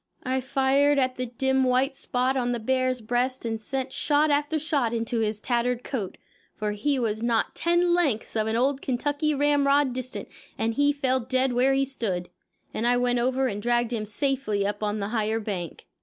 I fired at the dim white spot on the bear's breast and sent shot after shot into his tattered coat, for he was not ten lengths of an old Kentucky ramrod distant, and he fell dead where he stood, and I went over and dragged him safely up on the higher bank.